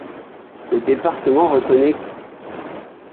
Le Département reconnait qu'.